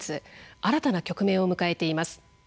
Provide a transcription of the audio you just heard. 新たな局面を迎えています。